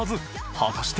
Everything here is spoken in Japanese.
［果たして］